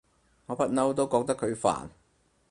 我不嬲都覺得佢煩